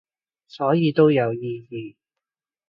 所以都有意義